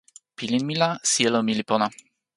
pilin mi la, sijelo mi li pona.